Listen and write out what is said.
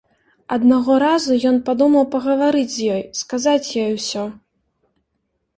Аднаго разу ён падумаў пагаварыць з ёй, сказаць ёй усё.